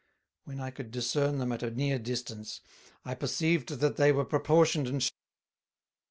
When I could discern them at a near distance, I perceived that they were proportioned and shaped like us.